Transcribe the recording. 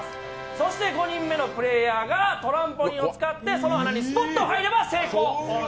そして５人目のプレイヤーがトランポリンを使って跳んでその穴にスポッと入れば成功。